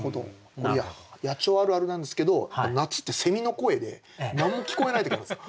野鳥あるあるなんですけど夏ってセミの声で何も聞こえない時があるんですよ。